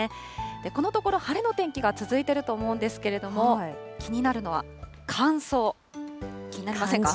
このところ、晴れの天気が続いてると思うんですけれども、気になるのは乾燥、気になりませんか？